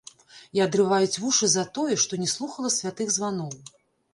І адрываюць вушы за тое, што не слухала святых званоў.